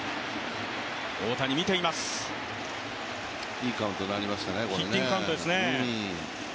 いいカウントになりましたね。